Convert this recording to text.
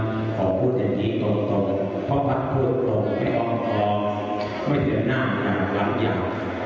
ขอพูดแบบนี้ตกตกพ่อพระพูดตกไปออกกลอไม่เต็มหน้าเร่ากลางยาว